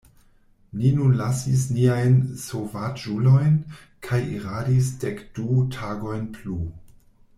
Ni nun lasis niajn sovaĝulojn kaj iradis dekdu tagojn plu.